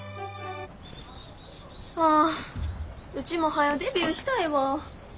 あウチもはよデビューしたいわ。